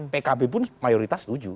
pkb pun mayoritas setuju